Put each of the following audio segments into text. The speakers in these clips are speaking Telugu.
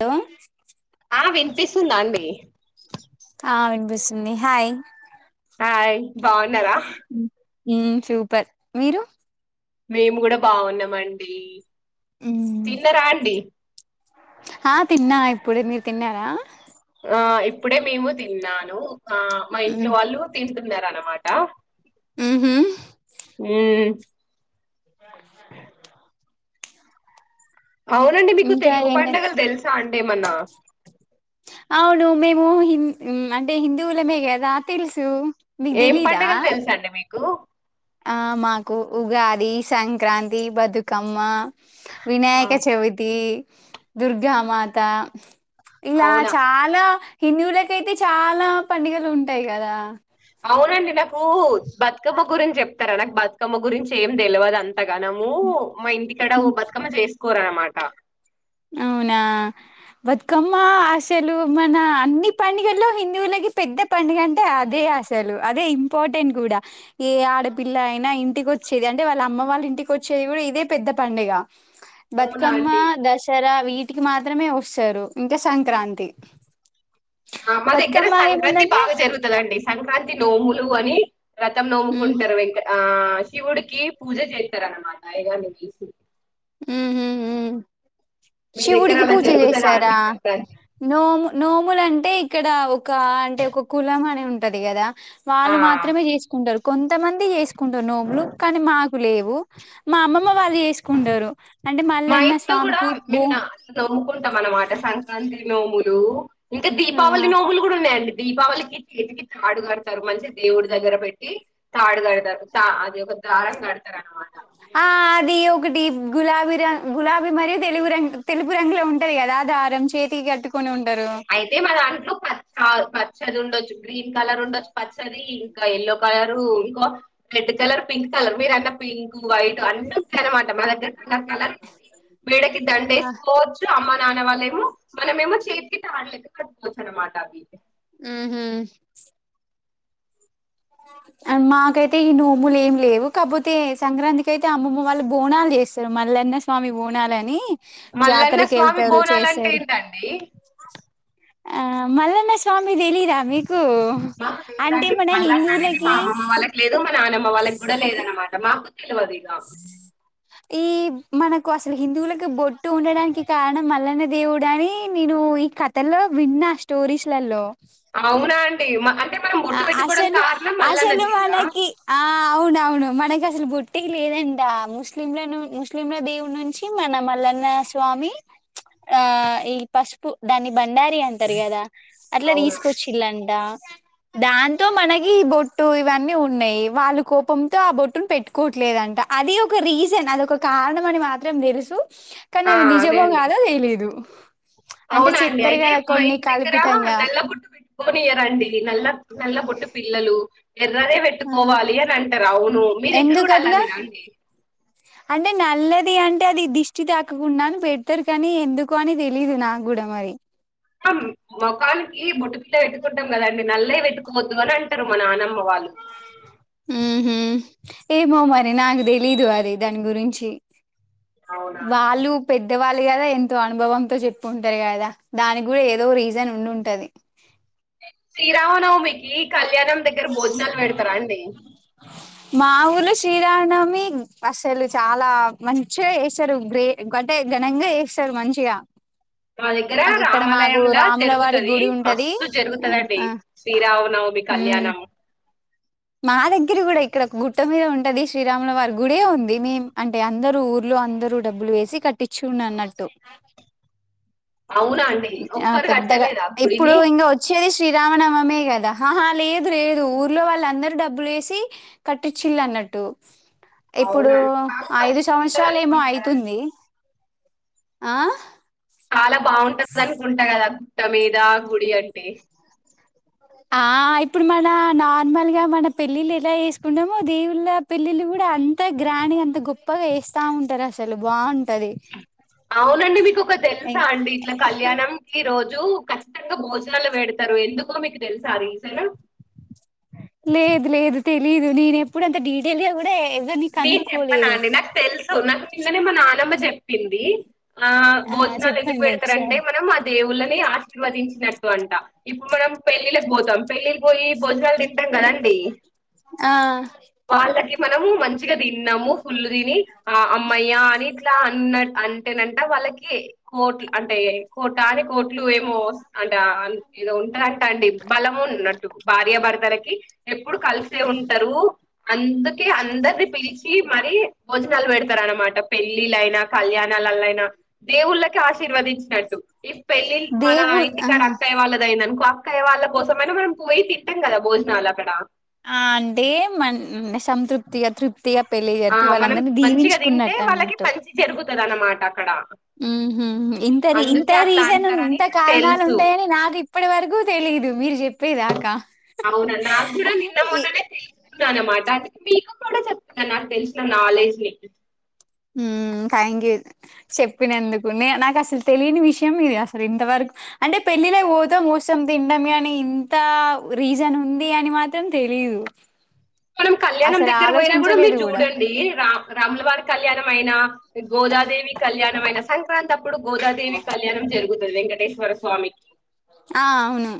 హలో ఆ వినిపిస్తుందా అండి ఆ వినిపిస్తుంది హాయ్ హాయ్ బాగున్నారా ఉ సూపర్ మీరు మేము కూడా బాగున్నామండి హ్మ్ తిన్నరా అండి ఆ తిన్నా ఇప్పుడే మీరు తిన్నారా ఆ ఇప్పుడే మేము తిన్నాను. ఆ మా ఇంట్లో ఉమ్ వాళ్ళు తింటారు అన్నార అనమాట ఉహు మ్ అవునండి మీకు ఇంకా తెలుగు ఏంటండి పడుగలు తెలుసా అంటేమన్నా అవును మేము హి అంటే హిందువులమే కదా తెలుసు మీకు ఏం తెలీదా పండగలు తెలుస అండి మీకు లో ఆ మాకు ఉగాది సంక్రాంతి బతుకమ్మ ఆ వినాయక చవితి దుర్గా మాత ఇలా అవునా చాలా హిందువులకైతే చాలా పండుగలు ఉంటాయి కదా అవునండి ఓ బతుకమ్మా గురించి చెప్తారా నాకు బతుకమ్మ గురించి ఏం తెలియదు అంతగానము మా ఇంటికడ ఉ బతుకమ్మ చేసుకోర మాటా అవునా బతుకమ్మ ఆశలు మన అన్ని పండుగల్లో హిందువులకి పెద్ద పండుగ అంటే, అదే ఆశలు అదే ఇంపార్టెంట్ కూడా ఏ ఆడపిల్ల అయినా ఇంటికి వచ్ వచ్చేది అంటే వాళ్ళ అమ్మ వాళ్ళ ఇంటికి వచ్చది కూడా ఇదే పెద్ద పండుగ అవునా బతుకమ్మ అండి దశ ఇలా వీటికి మాత్రమే వస్తారు ఇంకా సంక్రాంతి ఆ మా దగ్గర బతుకమ్మ సంక్రాంతి ఏముందంటే బాగా జరుగుతదండి సంక్రాంతి నోములు అని రతం నోముకుంటారు వెంక ఆ ఆ శివుడికి పూజ చేస్తారన్నమాట అయ్యగానికి ఉహు ఉహూ మ్ మీ దగ్గర శివుడికి అలా పూజ జరుగుతదా అండి చేశారా సంక్రాంతి నోము నోములు అంటే ఇక్కడ ఒక అంటే ఒక కులం అనే ఉ టది కదా ఆ వాళ్ళు మాత్రమే చేసుకుంటారు కొంతమంది ఏసు కుంట నోములు కానీ మాక్ కు లేవు మా అమ్మమ్మ వాళ్ ఉండరు అంటే మా మళ్ళన్న స్వామికి బో ట మన మాట సంక్రాంతి నోములు ఇంకా దీపావళి ఆహా నోగులు కూడా ఉన్నాయండి దీపావళికి చేతికి తాడు కడతారు మంచిగా దేవుడి దగ్గర పెట్టి తాడు కడతారు తా అది ఒక దారం కడతారు అనమాట ఆ అది ఒకటి గులాబీ ర గులాబీ మరియు తెలుగు రంగు తెలుపు రంగు లో ఉంటది కదా ఆ ధారం చేతి కట్టుకొని ఉన్ అయితే మా దాంట్లో ప చ పచ్చది ఉండొచ్చు గ్రీన్ కలర్ ఉండొచ్చు పచ్చది ఇంకా ఎల్లో కలరు ఇంకో రెడ్ కలర్ పింక్ కలర్ మీ రన్న పింక్ వైట్ అన్నీ ఉంటంది అనమాట మన దగ్గర కలర్ కలర్ మేడకి దండ ఆ వేసుకోవచ్చు అమ్మ నాన్న వాళ్ళేమో మనమేమో చే చేతికి కట్టుకోవచ్చు అనమాట అవి మ్మ్ హు మాకైతే ఈ నోములు ఏం లేవు కాపోతే సంక్రాంతికి అయితే అమ్మమ్మ వాళ్ళు బోనాలు చేస్తారు మల్లన్న స్వామి బోనాాలని మల్లన్న స్వామి బోనలంటె ఏంటండి అ మల్లన్న స్వామి తెలీదా మీక్ మాకు లేదండి మల్లన్న అనేది మా హిందువులకి అమ్మమ్మ వాళ్లకి లేదు మర్ వాళ్ల కి కూడా లేదు అనమాట ఇగ మాకు తెలవది అ ఈ మనకు అసలు హిందువులకి బొట్టు ఉండడానికి కారణం మల్లన దేవుడు అని నేను ఈ కథలో విన్నా స్టోరీస్లలో అవునా అండి మా ఆ ఆ అసెలు అసెలు దేవుడా మనకి ఆ అవును అవును మన కి అసలు బొట్టే లేదంట ఆ ముస్లింలను ముస్లింల దేవుడి నుంచి మన మల్లన్న స్వామి ఆ ఈ పసుపు దాని బండారి అంటారు కదా అట్లా అవును తీసుకొచ్చిలాంట దాంతో మనకీ బొట్టు ఇవన్నీ ఉన్నాయి వాళ్ళు కోపంతో ఆ బొట్టును పెట్టుకోవట్లేదంట అది ఒక రీజన్ అది ఒక కారణం అని మాత్రం తెలుసు కనీ ఆ అది అదే నిజమో అండి గాదో తెలేదు అవునా అండి ఐతే మా ఇంటి దగ్గరా కల్పితంగా నల్లబొట్ కోనియరండి నల్ల నల్ల బొట్టుపిల్లలు ఎర్రదే ఆహా వెట్టుకోవాలి అని అంటరు అవును మీ దగ్గర గుడా ఎందుకట్లా అలానేనా అండి అంటే నల్లది అంటే అది దిష్టి తాకుకుండాని పెడ్తరు కానీ ఎందుకు అని తెలీదు నా గుడా మరి మోఖానికి బొట్టు పిల్లా పెట్టుకుంటం కదండి నల్లేే పెట్టుకోవద్దు అని అంటరు మా నానమ్ ఉహు ఏమో మరి నాకు తెలీదు అది దాని గురించి అవునా వాళ్ళు పెద్దవాళ్ ది గదా ఎంతో అనుభవంతో చెప్పి ఉంటరు గదా దానికి గుడా ఏదో రీజన్ ఉండింటది శ్రీరామనవమికీ ళ్యాణం దగ్గర భోజనాలు వెడ్తరా అండి మా ఊర్లో శ్రీరానమి అసలు చాలా మంచిగ జెస్సరు గ్రే అంటె ఘనంగా చేస్సరు మంచిగా మా దగ్గరా ఇక్కడ మాకు రామాలయంల రాముల వారి జరుగుతది గుడి ఉంటది మస్తు ఆ జరుగుతుందిండి ఆ శ్రీరావ నవమీ ఉమ్ కళ్యాణం మా దగ్గర గుడా ఇక్కడ గుట్ట మీద ఉంటది శ్రీరాముల వారి గుడే ఉంది మేం అంటె అందరూ ఊర్లో అందరూ డబ్బులు వేసి కట్టించుం అన్నట్టు ఔనా అండి ఒక్కరు కట్టలేదా ఇప్పుడు గుడిని ఇంగా వచ్చేది శ్రీరామనవమే గదా అహా లేదు లేదు ఊర్లో వాళ్ళ అందరూ డబ్బులు వేసి కట్టిచ్చిళ్ళన్నట్టు ఇప్పుడూ అవునండి. చాలా ఐదు సంవత్సరలేమో మంచిగుంటదనుకుంటా కదండీ. ఐతుందీ ఆహ్ కాల బాగుంటంది అనుకుంట గదా గుట్ట మీద గుడి అంటె ఆ ఇప్పుడు మన నార్మల్ గా మన పెళ్ళిళ్ళ ఎలా చెస్కుంటమో దేవుళ్ళ పెళ్ళిళ్ళు గుడా అంత గ్రాండ్ గా అంత గొప్పగా చేస్తా ఉంటరు అసలు బాగుంటది ఔనండి మీకు ఒక తెల్సా అండి ఇట్ల కళ్యాణం ఈ రోజ్ రోజు కట్నంగా భోజనాలు వెడ్తరు ఎందుకో మీకు తెల్సా ఆ రీజను లేదు లేదు తెలీదు నేనెప్పుదు అంత డీటెయిల్ గా గుడా నేను చెప్పనాండి నాకు తెల్సు నాక్ కిందనే మా నానమ్మ చెప్పిందీ ఆ భోజనాలెందుకు చెప్పండి పెడ్తరంటే ఒకసారి మనం ఆ దేవుళ్ళ ఆశీర్వదించినట్టు అంట ఇప్పుడు మనం పెళ్ళిళ్ళకి పోతం పెళ్ళిళ్ళ పోయి భోజనాలు తింటాం గదండి ఆ మనము మం మంచిగా తిన్నాము ఫుల్లు తిని అమ్మయ్యా అని ఇట్లా అన్న అంటేనంట వాళ్ళకి కోట్లు అంటే కోటనీ అని కోట్లు ఏమో అంటే ఏదో ఉంటదంటా అండి బలము ఉన్నట్టు భార్య భర్తలకి ఎప్పుడు కలిసే ఉంటారు అందుకే అందరి పిలిచి మర భోజనాలు పెడతార అనమాట పెళ్ళిళ్లైనా కళ్యాణాలలో అయినా దేవుళ్ళకి ఆశీర్వదించినట్టు ఈ పెళ్లిళ్లు మన దేవు ఆ ఇంటికాడ అక్కయ్య వాళ్ళది అయిన అక్కయ్య వాళ్ళ కోసంమైనా మనం పోయి తిట్టాం కదా భోజనాలు అక్కడ ఆ అంటే మ సంతృప్తిగా తృప్తిగా పెళ్లి ఆ జరిపి మనం వాళ్ళందరినీ మంచిగా తింటే దీవించుకున్నట్టు వాళ్ళకి అన్నట్టు మంచి జరుగుతుంది అన్నమాట అక్కడ ఉహు ఇంత ఇంత అందుకే అట్లా రీజన్ అంటారని ఇంత నాకు కారణాలు తెలుసు ఉంటాయని నాకు ఇప్పటి వరకు తెలిదు మీరు చెప్పేదాకా అన మాట మీకు కుడా నాకు తెలిసిన నాలెడ్జ్ ని థ్యాంక్ యూ చెప్పినందుకు నే నాకు అసలు తెలియని విషయం ఇది అసలు ఇంతవరకు అంటే పెళ్లిళ్లకు పోతాం కూసోని తింటా అని ఇంత రీజన్ ఉంది అని మాత్రం తెలియదు మనం కళ్యాణం దగ్గర పోయినా కూడా మీరు చూడండి రా రాముల వారి కళ్యాణం అయినా గోదాదేవి కళ్యాణం అయిన సంక్రాంతి అప్పుడు గోదాదేవి కళ్యాణం జరుగుతుంది వెంకట మేశ్వర స్వామి ఆ అవును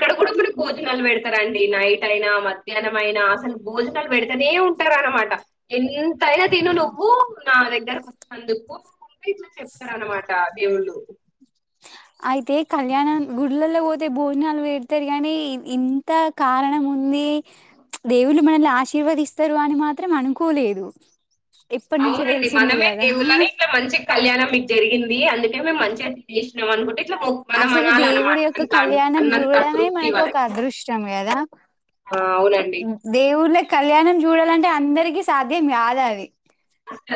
ఇక్కడ కూడా ఒకరు భోజనాలు పెడతారంండి నైట్ అయినా మధ్యాహ్నం నా అసలు భోజనాలు పెడుతనే ఉంటారు అనమాట ఎ ఎంతైనా తిను నువ్వు నా దగ్గర అందుకు ఇట్లా చెప్తారన్నమాట దేవుళ్ళు అయితే కళ్యాణం గుళ్లలో పోతే భోజనాలు పెడతారు కానీ ఇంత కారణం ఉంది దేవుళ్లు మనల్ని ఆశీర్వదిస్తారు అని మాత్రం అనుకోలేదు ఇప్పటి నుంచో అవునండి తెలిసింది మనమే కదా దేవుళ్లనే ఇట్లా మంచి కళ్యాణం ఇ జరిగింది అందుకే మేము మంచిగాదిసినాం అనుకుంటే ఇట్లా మొ మనం అసలు దేవుడి అనాలనమాట. యొక్క ఇట్లా అన్ కళ్యాణం అన్నంత చూడడమే తృప్తి మనకు ఒక వాళ్ళకి. అదృష్టం కదా ఆ! అవునండి. దేవుల్లే కళ్యాణం చూడాలంటే అందరికీ సాధ్యం కాదు అది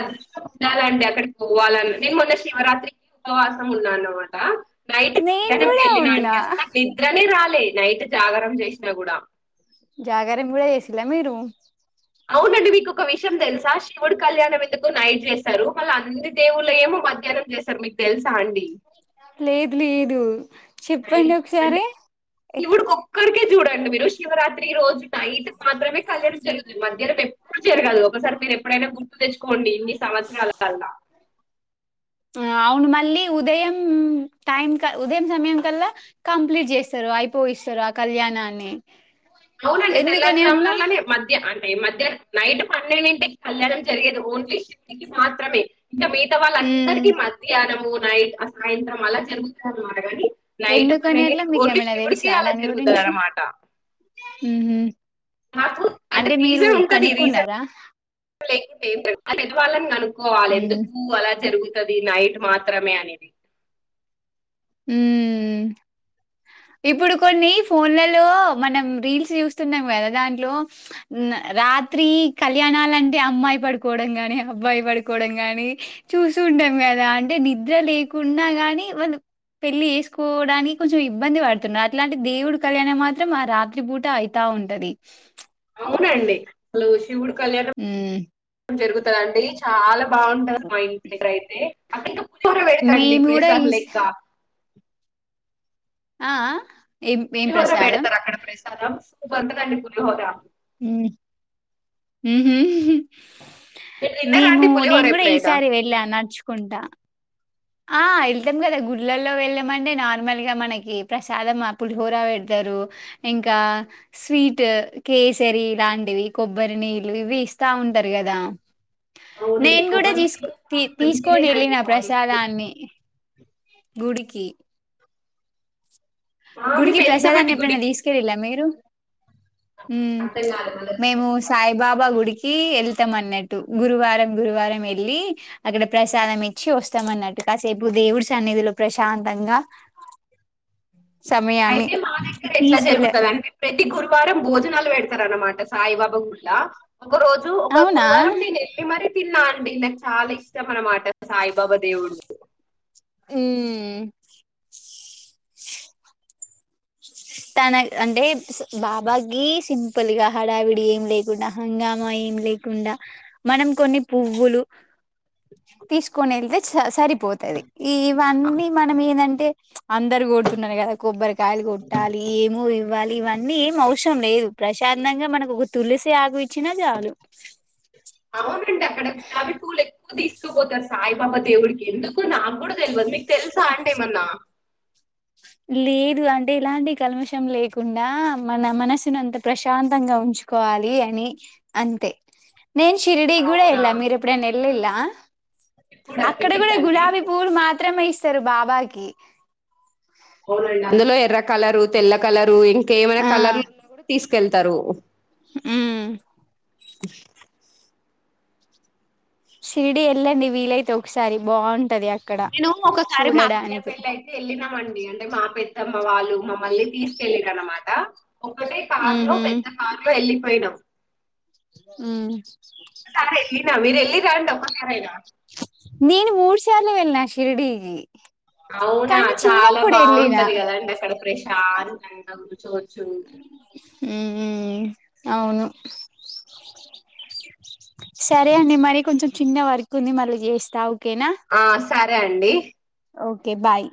అదృష్టం ఉండాలండి అక్కడ పోవ్వాలని నేను మొన్న శివరాత్రి ఉపవాసం ఉన్నాను అన్నమాట రైట్ నేను కళ్యాణంకి కూడా ఉన్నా వెళ్ళినాండి అసలు నిద్రనే రాలదు తే నైట్ జాగరణ చేసినా కూడా జాగారం గూడా జేసింరా మీరు అవునండి మీకు ఒక విషయం తెలుసా, శివుడు కళ్యాణం ఎందుకు నైట్ చేస్తారు, మళ్ళా అన్ని దేవుళ్ళ ఏమో మధ్యాహ్నం చేస్తారు, మీకు తెలుసా అండి లేదు లేదు చెప్పండి ఒకసారి కొక్కడికే చూడండి మీరు శివరాత్రి రోజు నైట్ మాత్రమే కళ్యాణం జరుగుతుంది మధ్యాహ్నం ఎప్పుడు జరగదు ఒకసారి మీరు ఎప్పుడైనా గుర్తు తెచ్చుకోండి ఇన్ని సంవత్సరాల వల్ల ఆ అవును మళ్ళీ ఉదయం టైం క ఉదయం సమయం కల్లా కంప్లీట్ చేస్తారు అయిపోయిస్తారు, ఆ కళ్యాణాన్ని అవునండి ఎందుకని అట్లా తెల్లారుజామునల్లనే మధ్య అ మధ్యాహం నైట్ పన్నెండింటి కళ్యాణం జరిగేది ఓన్లీ శివునికి మాత్రమే ఇంకా మిగతా ఉమ్ వాళ్ళందరికి మధ్యాహ్నము నైట్ అసలు సాయంత్ర మల్ల జరుగుతదన్నమాట గని నైట్ ఎందుకని అట్లా పనేండిటికి మీకు ఓన్లీ ఏమైనా శివుడికే తెలుసా అలా జరుగుతది అనమాట మ్ హ అంటే మీరు కనుక్కున్నారా న్ లేకుంట ఏం లేదు అంటే పెద్ద వాళ్లను కనుకు కోవాలి ఉమ్ ఎందుకు అలా జరుగుతు టది నైట్ మాత్రమే అనేది మ్ ఇప్పుడు కొన్ని ఫోన్లలో మనం రీల్స్ చూస్తున్నాం కదా దాంట్లో ఉమ్ రాత్రి కళ్యాణాలంటే అమ్మాయి పడుకోవడం కాని అబ్బాయి పడుకోవడం గాని చూస్తు ఉంటాం కదా అంటే నిద్ర లేకున్నా గానీ మనం పెళ్లి చేసుకోవడానికి కొంచెం ఇబ్బంది పడుతుండ అట్లాంటి దేవుడు కళ్యాణం మాత్రం ఆ రాత్రి పూట ఐతా ఉంటది అవునండి. అసలు శివుడు హ్మ్. కళ్యాణం జరుగుతు కదండీ చాలా బాగుంటది మా ఇంటి దగ్గర అయితే అక్కడ ఇంకా పులిహోర పెడతారు మేము ఇపుడు ఇగ గూడా ప్రసారం ఈస్ లెక్క ఆ ఆ ఏం ఏం పులిహోర ప్రసాదం? పెడతారు అక్కడ ప్రసాదం సూపర్ ఉంటదండి పులిహోర హ్మ్ ఊహూ మీరు తిన్నారా మేము అండి నేను పులిహోర కూడా ఎప్పుడైనా ఈసారి వెళ్ళా నడుచు కుంట ఆ ఎళ్తాం కదా గుళ్లల్లో వెళ్ళామంటే నార్మల్గా మనకి ప్రసాదం ఆ పులిహోర పెడతారు. ఇంకా స్వీట్ కేసరి లాంటివి కొబ్బరి నీళ్ళు ఇవి ఇస్తా ఉంటరు కదా అవునండి నేను కూడా కొబ్బరి నీళ్ళు తీసు తీ చాలా తీసుకొని మంచిదేనండి వెళ్ళిన బాడీకి ప్రసాదని గుడికి ఆ, మేము గుడికి వెళ్తామండి ప్రసాదాన్ని ఎప్పుడైనా గుడికి తీసుకెలిండ్రా మీరు హ్మ్ అర్థం కాదు మళ్ళీ మేము వచ్చేటప్పటికి. సాయిబాబా గుడికి కీ వెళ్తాం అన్నట్టు గురువారం గురువారం వెళ్ళి అక్కడ ప్రసాదం ఇచ్చి వస్తాం అన్నట్టు కాసేపు దేవుడి సన్నిధిలో ప్రశాంతంగా సమయాన్ని అయితే మా దగ్గర ఎట్లా పీస్‌ఫుల్ జరుగుతుంది అంటే ప్రతి గురువారం భోజనాలు పెడుత స్తార అన్నమాట సాయిబాబా గుల్ల ఒక రోజు ఒక అవునా గురువారం నేను ఎప్పి మర తిన్నా పిల్లకు చాలా ఇష్టం అన్నమాట సాయిబాబా దేవుడు ఉ ఉ మ్ తన అంటే బాబాకి సింపుల్ గా హడావిడి ఏం లేకుండా హంగామా ఏం లేకుండా మనం కొన్ని పువ్వులు తీసుకొని వెళ్తే సరిపోతుది ఇవన్నీ మనం ఏంటంటే అందరు కొడుతున్నారును కదా కొబ్బరికాయలు కొడుతు ఏమో ఇవ్వాలి ఇవన్నీ ఏం అవసరం లేదు ప్రశాంతంగా మనకు ఒక తులసి ఆకు ఇచ్చినా చాలు అవునండి అక్కడ మల్లి పూవులు ఎక్కువ తీసుకుపోతారు సాయిబాబా దేవుడికి ఎందుకు నాకు కూడా తెలియదు మీకు తెలుసా అంటే ఏమన్నా లేదు అంటే ఇలాంటి కల్ముషం లేకుండా మన మనసును అంత ప్రశాంతంగా ఉంచుకోవాలి అని అంతే నేన్ శిర్డి కూడాడ అవునా ఎలా మీరప్పుడే న ఎల్ ఇలా ఆ ఇప్పుడు అక్కడ కూడా ఇక్కడికండి గులాబీ పూలు మాత్రమే ఇస్త సారు బాబాకి అవునండి అందులో ఎర్ర కలరు తెల్ల కలరు ఇంకా ఏమైనా కలర్ లు ఉన్నా కూడా తీ కెళ్తారు హు సిరిడి వెళ్ళండి వీలైతే ఒకసారి బాగుంటది అ నేను ఒకసారి మా అక్కయ్య పెళ్లి అయితే వెళ్ళినామ అండి అంటే మా పెలి తమ్మ వాళ్ళు మమ్మల్ని తీసుకెల్లిండ్లన్నమాట ఒకటే కార్ లో ఉహు పెద్ద కార్ లో వెళ్లి మైనా అ న మీరు వెళ్ళి రండి ఒక్కసారైనా నేను మూడు సార్ల వెళ్లిన శిరీడిని అవునా చాలా వెళ్ళిన బాగుంటది కదాండి అక్కడ ప్రే కారు అంతమ్ హ అవును సరే అండి మరి కొంచెం చిన్న వర్క్ ఉంది మళ్ళీ చేస్తా ఓకేనా ఆ సరే రండి ఓకే బాయ్